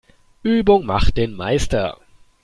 Übung macht den Meister.